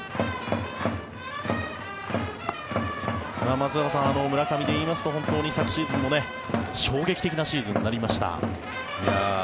松坂さん、村上でいいますと本当に昨シーズンも衝撃的なシーズンとなりました。